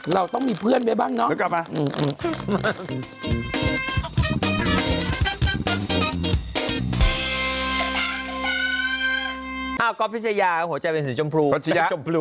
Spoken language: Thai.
เราต้องมีเพื่อนไปบ้างเนอะคุณแม่เรมึกออกมา